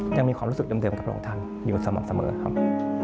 ยังมีความรู้สึกเดิมกับพระองค์ท่านอยู่สม่ำเสมอครับ